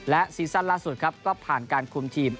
และซีซั่นล่าสุดครับก็ผ่านการคุมทีม